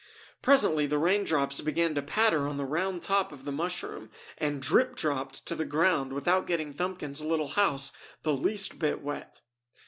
Presently the raindrops began to patter on the round top of the mushroom and "drip dropped" to the ground without getting Thumbkins' little house the least bit wet.